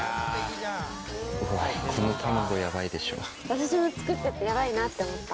私も作っててヤバいなって思った。